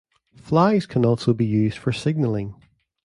Flags can also be used for signaling.